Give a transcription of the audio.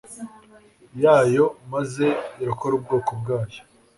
yayo maze irokore ubwoko bwayo.